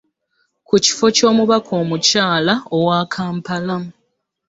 Ku kifo ky'omubaka omukyala owa Kampala